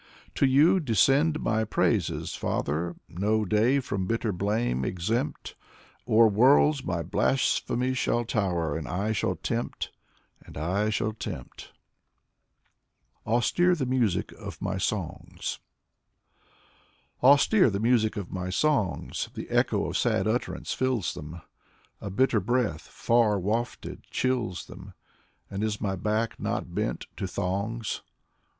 To you descend my praises. Father, No day from bitter blame exempt. O'er worlds my blasphemy shall tower; And I shall tempt — and I shall tempt. Fyodor Sologub 65 « AUSTERE THE MUSIC OF MY SONGS " Austere the music of my songs: The echo of sad utterance fills them, A bitter breath, far wafted, chills them; And is my back not bent to thongs?